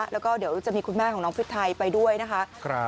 แล้วก็เดี๋ยวจะมีคุณแม่ของน้องฟิตไทยไปด้วยนะคะ